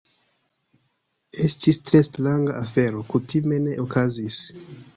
Estis tre stranga afero... kutime ne okazis.